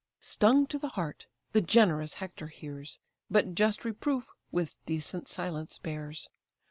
Stung to the heart the generous Hector hears, But just reproof with decent silence bears.